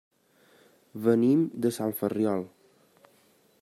Venim de Sant Ferriol.